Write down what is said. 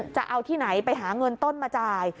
จะเอาที่ไหนไปหาเงินต้นมาจ่าย